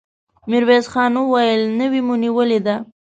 ميرويس خان وويل: نوې مو نيولې ده!